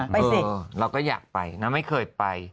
ไปสิเราก็อยากไปนะไม่เคยไป